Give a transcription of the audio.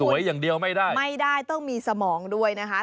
อย่างเดียวไม่ได้ไม่ได้ต้องมีสมองด้วยนะคะ